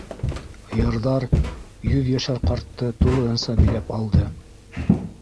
Йырҙар йөҙйәшәр ҡартты тулыһынса биләп алды.